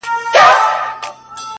هغه وويل چي زما لپاره دي زيری وي.